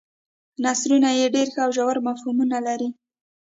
نثرونه یې ډېر ښه او ژور مفهومونه لري.